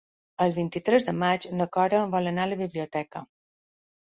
El vint-i-tres de maig na Cora vol anar a la biblioteca.